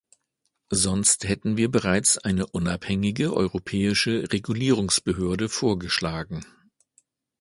Sonst hätten wir bereits eine unabhängige europäische Regulierungsbehörde vorgeschlagen.